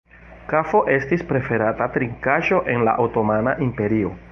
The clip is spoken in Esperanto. Kafo estis preferata trinkaĵo en la otomana imperio.